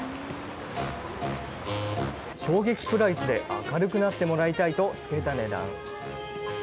衝撃プライスで明るくなってもらいたいとつけた値段。